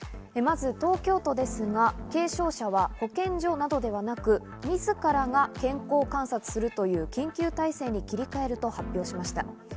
まず東京都ですが軽症者は保健所などではなく、自らが健康観察するという緊急体制に切り替えると発表しました。